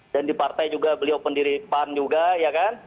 dan di partai juga beliau pendiripan juga ya kan